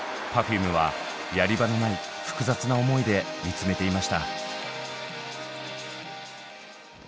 Ｐｅｒｆｕｍｅはやり場のない複雑な思いで見つめていました。